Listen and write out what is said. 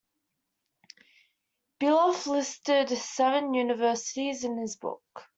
Beloff listed seven universities in his book.